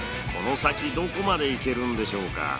この先どこまで行けるんでしょうか。